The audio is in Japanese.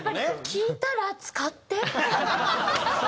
「聞いたら使って」。